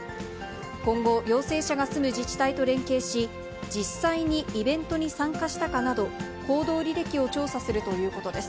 今後、陽性者が住む自治体と連携し、実際にイベントに参加したかなど、行動履歴を調査するということです。